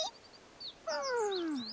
うん。